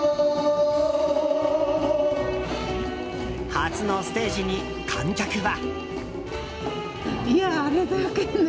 初のステージに観客は。